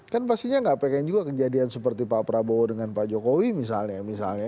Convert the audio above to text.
kan pastinya nggak pengen juga kejadian seperti pak prabowo dengan pak jokowi misalnya